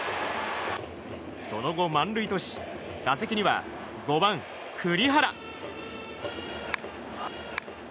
その後、満塁とし打席には５番、栗原。